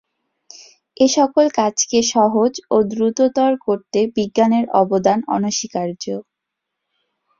এসকল কাজকে সহজ ও দ্রুততর করতে বিজ্ঞানের অবদান অনস্বীকার্য।